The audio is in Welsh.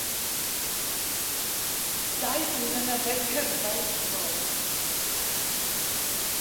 Dau ddyn yn yfed cyrfau wrth fwrdd